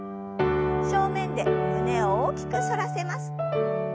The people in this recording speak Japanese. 正面で胸を大きく反らせます。